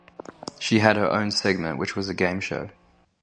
She had her own segment, which was a game show.